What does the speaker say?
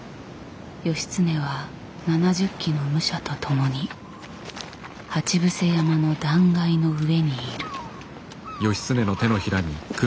義経は７０騎の武者と共に鉢伏山の断崖の上にいる。